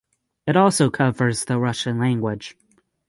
It also covers the Russian language.